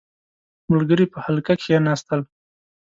• ملګري په حلقه کښېناستل.